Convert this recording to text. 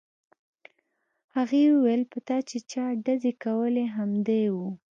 هغې وویل په تا چې چا ډزې کولې همدی و